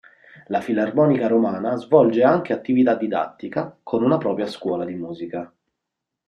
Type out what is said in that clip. La Filarmonica Romana svolge anche attività didattica, con una propria Scuola di musica.